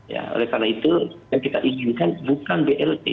ya oleh karena itu yang kita inginkan bukan blt